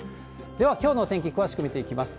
ではきょうの天気、詳しく見ていきます。